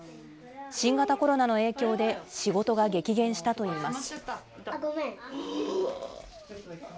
新型コロナの影響で仕事が激減したといいます。